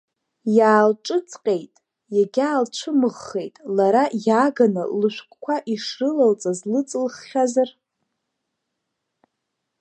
Иаалҿыҵҟьеит, иагьаалцәымыӷхеит, лара иааганы лышәҟәқәа ишрылалҵаз лыҵылххьазар?